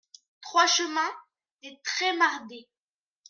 trois chemin des Tremardeix